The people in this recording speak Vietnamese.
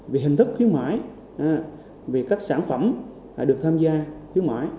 về hình thức khuyến mãi về các sản phẩm được tham gia khuyến mãi